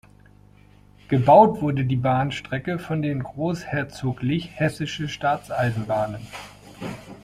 Gebaut wurde die Bahnstrecke von den Großherzoglich Hessische Staatseisenbahnen.